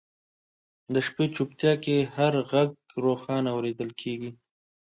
د شپې چوپتیا کې هر ږغ روښانه اورېدل کېږي.